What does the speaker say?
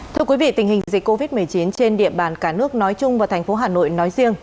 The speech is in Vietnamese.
thưa quý vị tình hình dịch covid một mươi chín trên địa bàn cả nước nói chung và thành phố hà nội nói riêng